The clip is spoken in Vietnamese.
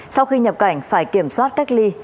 sau khi nhập cảnh phải kiểm soát cách ly